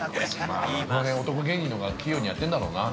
◆その辺、男芸人のほうが器用にやってるんだろうな。